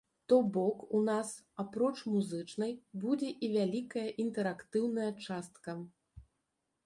То бок, у нас, апроч музычнай, будзе і вялікая інтэрактыўная частка.